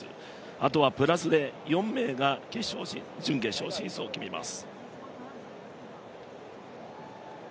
あとはプラスで４名が準決勝進出を決めます。